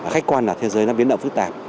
khách quan là thế giới nó biến động phức tạp